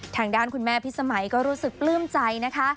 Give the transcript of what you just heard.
ทางด้านคุณแม่พิสมัยก็รู้สึกปลื้มใจนะคะ